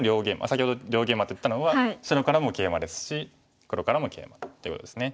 先ほど両ゲイマと言ったのは白からもケイマですし黒からもケイマということですね。